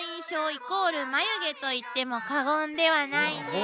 イコール眉毛といっても過言ではないんです。